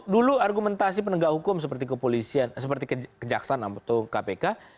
dulu argumentasi penegak hukum seperti kejaksana atau kpk